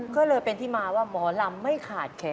ก็เลยเป็นที่มาว่าหมอลำไม่ขาดแขน